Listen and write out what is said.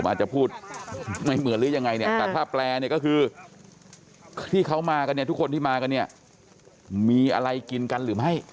อาจจะพูดไม่เหมือนหรือยังไงเนี่ยแต่ถ้าแปลเนี่ยก็คือที่เขามากันเนี่ยทุกคนที่มากันเนี่ยมีอะไรกินกันหรือไม่